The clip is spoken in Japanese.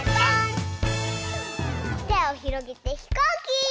てをひろげてひこうき！